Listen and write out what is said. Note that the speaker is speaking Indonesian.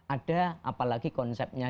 ada apalagi konsepnya